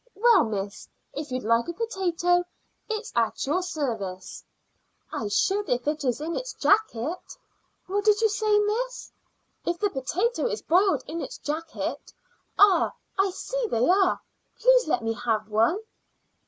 "Well, miss, if you'd like a potato it's at your service." "I should if it is in its jacket." "What did you say, miss?" "If the potato is boiled in its jacket. Ah! I see they are. Please let me have one."